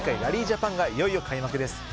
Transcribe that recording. ジャパンがいよいよ開幕です。